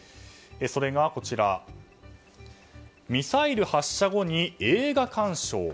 それがミサイル発射後に映画鑑賞。